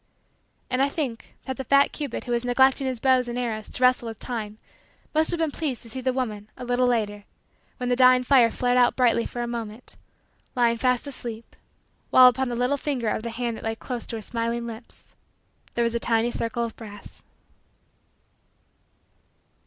And I think that the fat cupid who was neglecting his bow and arrows to wrestle with time must have been pleased to see the woman, a little later, when the dying fire flared out brightly for a moment, lying fast asleep, while, upon the little finger of the hand that lay close to her smiling lips, there was a tiny circle of brass.